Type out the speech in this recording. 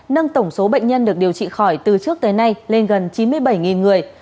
nâng tổng số bệnh nhân được điều trị khỏi từ trước tới nay lên gần chín mươi bảy người